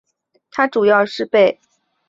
它主要被使用来举办足球和田径赛事。